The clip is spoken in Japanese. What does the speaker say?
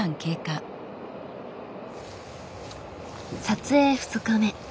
撮影２日目。